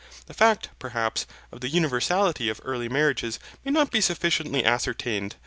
The fact, perhaps, of the universality of early marriages may not be sufficiently ascertained.